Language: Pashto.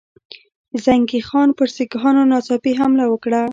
زنګي خان پر سیکهانو ناڅاپي حمله وکړه.